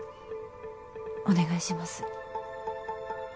お願いします。